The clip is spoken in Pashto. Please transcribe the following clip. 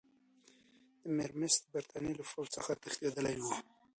میرمست د برټانیې له پوځ څخه تښتېدلی وو.